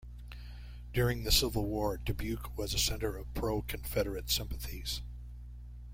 During the Civil War, Dubuque was a center of pro-Confederate sympathies.